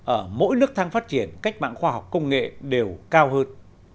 ở mỗi nước thang phát triển cách mạng khoa học công nghệ đều cao hơn